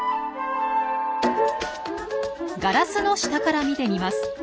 ガラスの下から見てみます。